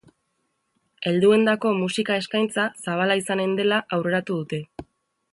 Helduendako musika eskaintza zabala izanen dela aurreratu dute.